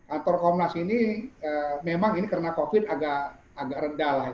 atur komnas ini memang ini karena covid agak rendah lah